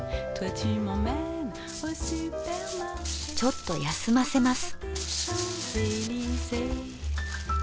ちょっと休ませます。